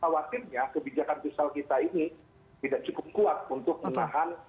khawatirnya kebijakan pisau kita ini tidak cukup kuat untuk menahan